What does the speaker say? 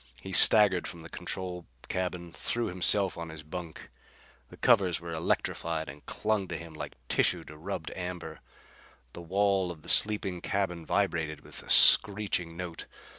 He staggered from the control cabin; threw himself on his bunk. The covers were electrified and clung to him like tissue to rubbed amber. The wall of the sleeping cabin vibrated with a screeching note.